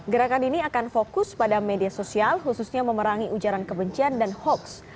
gerakan ini akan fokus pada media sosial khususnya memerangi ujaran kebencian dan hoax